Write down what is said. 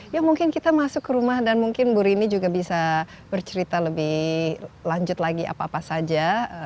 ya mungkin kita masuk ke rumah dan mungkin bu rini juga bisa bercerita lebih lanjut lagi apa apa saja